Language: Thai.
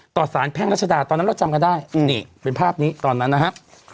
ต่อสารแพ่งรัชดาตอนนั้นเราจำกันได้นี่เป็นภาพนี้ตอนนั้นนะครับ